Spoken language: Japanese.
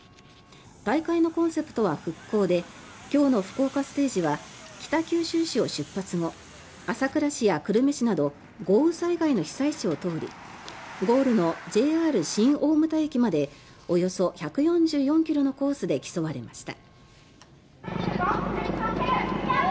大会のコンセプトは復興で今日の福岡ステージは北九州市を出発後朝倉市や久留米市など豪雨災害の被災地を通りゴールのＪＲ新大牟田駅までおよそ１４４ｋｍのコースで競われました。